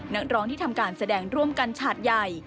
นักร้องที่ทำการแสดงร่วมกันฉาดใหญ่